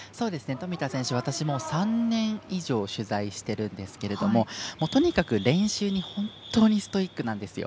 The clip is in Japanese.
富田選手、私も３年以上取材しているんですけどもとにかく練習に本当にストイックなんですよ。